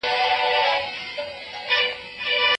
د ابن خلدون د نظر له مخي، علم د پیاوړتیا لامل دی.